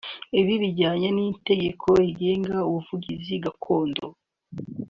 Ibi bijyanye n’itegeko rigenga ubuvuzi gakondo